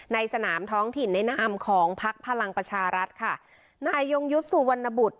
ในสนามท้องถิ่นในนามของพักพลังประชารัฐค่ะนายยงยุทธ์สุวรรณบุตร